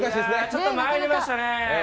ちょっとまいりましたね。